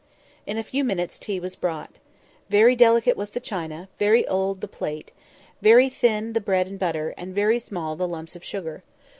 In a few minutes tea was brought. Very delicate was the china, very old the plate, very thin the bread and butter, and very small the lumps of sugar.